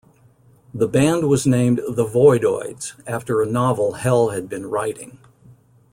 The band was named "the Voidoids" after a novel Hell had been writing.